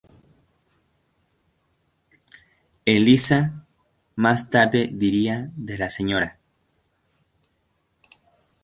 Eliza más tarde diría de la Sra.